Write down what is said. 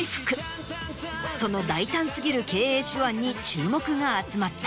その大胆過ぎる経営手腕に注目が集まった。